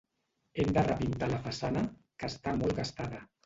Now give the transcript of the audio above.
Hem de repintar la façana, que està molt gastada.